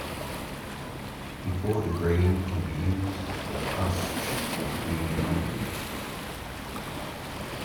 Before the grain can be used, the husks must be removed.